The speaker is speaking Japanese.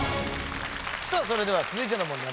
さあそれでは続いての問題